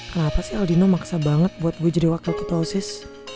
kenapa sih aldino maksa banget buat gue jadi wakil ketua osis